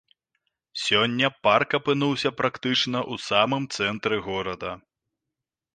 Сёння парк апынуўся практычна ў самым цэнтры горада.